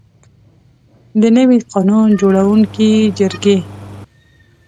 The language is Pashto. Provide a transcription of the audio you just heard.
د نوي قانون جوړوونکي جرګې.